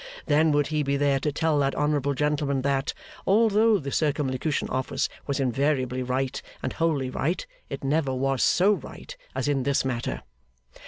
Then would he be there to tell that honourable gentleman that, although the Circumlocution Office was invariably right and wholly right, it never was so right as in this matter.